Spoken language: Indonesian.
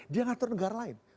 dia ngatur negara lain